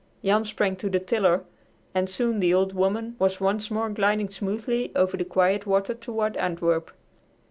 Jan sprang to the tiller, and soon the "Old Woman" was once more gliding smoothly over the quiet water toward Antwerp.